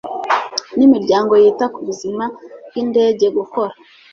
n imiryango yita ku buzima bw indege gukora